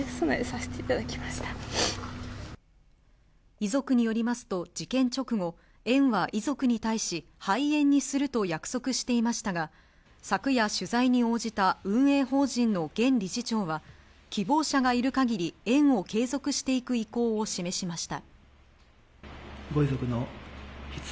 遺族によりますと、事件直後、園は遺族に対し、廃園にすると約束していましたが、昨夜、取材に応じた運営法人の現理事長は希望者がいる限り、園を継続していく意向を示しました。